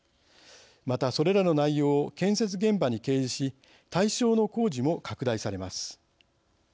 またそれらの内容を建設現場に掲示し対象の工事も拡大されます。